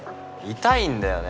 痛いんだよね。